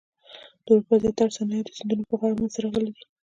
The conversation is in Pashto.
د اروپا زیاتره صنایع د سیندونو پر غاړه منځته راغلي دي.